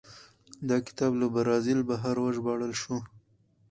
دا کتاب له برازیل بهر وژباړل شو.